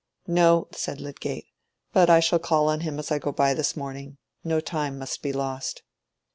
"No," said Lydgate, "but I shall call on him as I go by this morning. No time must be lost."